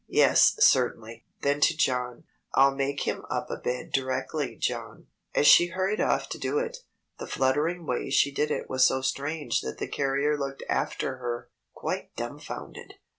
Yes! Certainly!" Then to John. "I'll make him up a bed directly, John." As she hurried off to do it, the fluttering way she did it was so strange that the carrier looked after her, quite dumfounded.